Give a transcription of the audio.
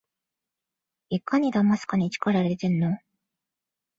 いかにだますかに力いれてんの？